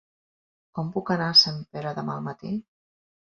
Com puc anar a Sempere demà al matí?